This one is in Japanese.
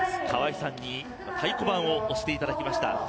川合さんに太鼓判を押していただきました。